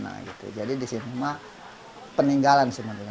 nah gitu jadi di sini mah peninggalan sebenarnya